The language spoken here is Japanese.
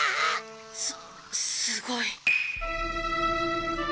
すすごい。